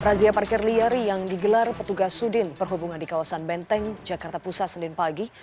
razia parkir liar yang digelar petugas sudin perhubungan di kawasan benteng jakarta pusat senin pagi